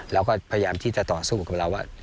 เราก็พยายามที่จะต่อสู้กับเราว่า